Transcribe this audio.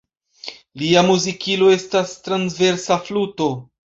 Lia muzikilo estas transversa fluto.